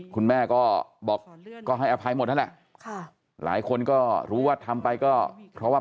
คุณแม่ก็บอกก็ให้อภัยหมดนั่นแหละค่ะหลายคนก็รู้ว่าทำไปก็เพราะว่า